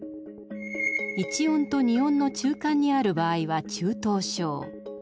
Ⅰ音とⅡ音の中間にある場合は中等症。